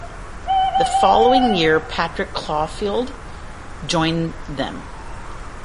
The following year Patrick Caulfield joined them.